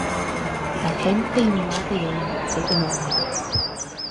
Daeth hen deimlad ei ieuenctid yn ôl iddo.